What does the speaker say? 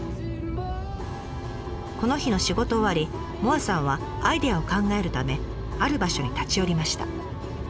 この日の仕事終わり萌彩さんはアイデアを考えるためある場所に立ち寄りました。